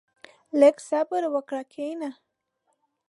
• لږ صبر وکړه، کښېنه.